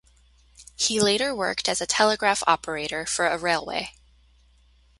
He later worked as a telegraph operator for a railway.